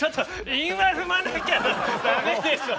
韻は踏まなきゃ駄目でしょ！